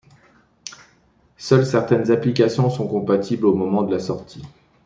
Seules certaines applications sont compatibles au moment de la sortie.